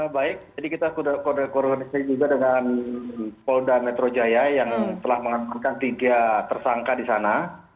baik jadi kita sudah koordinasi juga dengan polda metro jaya yang telah mengamankan tiga tersangka di sana